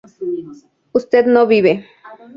usted no vive